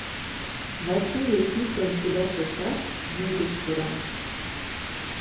Василий писын кудашешат, вӱдыш пура.